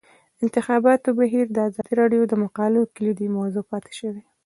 د انتخاباتو بهیر د ازادي راډیو د مقالو کلیدي موضوع پاتې شوی.